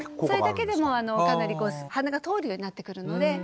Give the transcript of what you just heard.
それだけでもかなり鼻が通るようになってくるので。